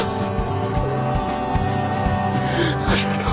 ありがとう。